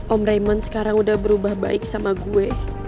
om reman sekarang udah berubah baik sama gue